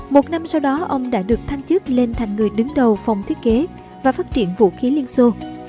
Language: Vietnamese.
một năm sau đó ông đã được thanh chức lên thành người đứng đầu phòng thiết kế và phát triển vũ khí liên xô